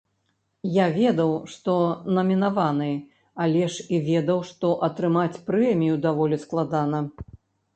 Я ведаў, што намінаваны, але ж і ведаў, што атрымаць прэмію даволі складана.